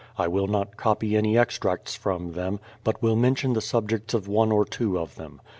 I will not copy any extracts from them, but will mention the subjects of one or two of them.